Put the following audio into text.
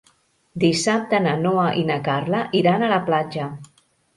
Dissabte na Noa i na Carla iran a la platja.